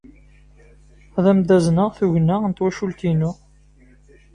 Ad am-d-azneɣ tugna n twacult-inu.